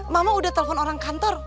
mama udah telepon orang kantor